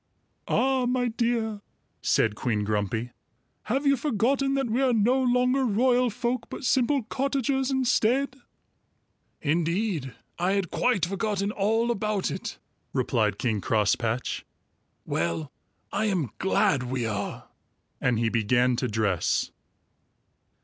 "Ah, my dear!" said Queen Grumpy, "have you forgotten that we are no longer royal folk but simple cottagers instead?" "Indeed, I had quite forgotten all about it," replied King Crosspatch. "Well, I am glad we are," and he began to dress.